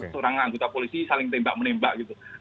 seorang anggota polisi saling tembak menembak gitu